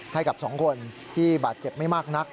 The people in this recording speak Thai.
ให้กับสองคนที่บาดเจ็บไม่มากนัก